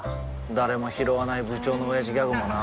誰もひろわない部長のオヤジギャグもな